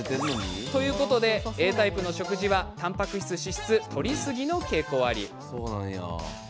ということでＡタイプの食事はたんぱく質、脂質とりすぎの傾向あり。